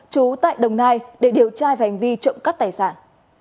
chú tại đồng nai để điều tra và hành vi trộm cắt tài sản